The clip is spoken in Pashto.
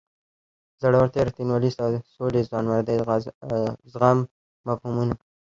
زړورتیا رښتینولۍ سولې ځوانمردۍ عزم مفهومونه.